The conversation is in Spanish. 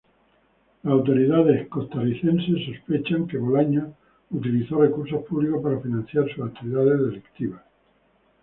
Las autoridades costarricenses sospechan que Bolaños utilizó recursos públicos para financiar sus actividades delictivas.